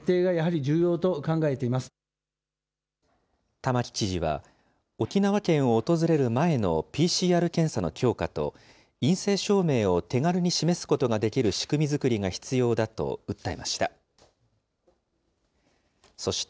玉城知事は、沖縄県を訪れる前のＰＣＲ検査の強化と、陰性証明を手軽に示すことができる仕組み作りが必要だと訴えました。